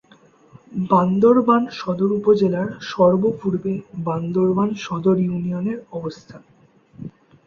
বান্দরবান সদর উপজেলার সর্ব-পূর্বে বান্দরবান সদর ইউনিয়নের অবস্থান।